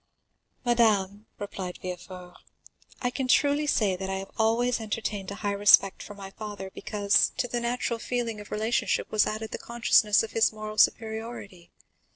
30185m "Madame," replied Villefort "I can truly say that I have always entertained a high respect for my father, because, to the natural feeling of relationship was added the consciousness of his moral superiority.